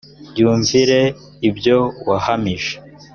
yumvire ibyo wahamije.